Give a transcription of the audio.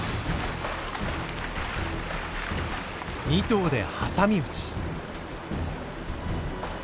２頭で挟み撃ち。